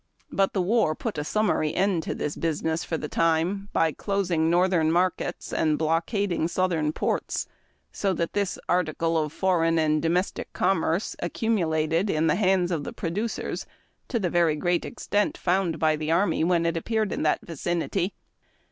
But the war put a summary end to this business for the time, by closing north ern markets and blockading southern ports, so that this article of foreion and domestic commerce accumulated in the hands of the producers to the very great extent found by the army when it a^jpeared in that vicinity.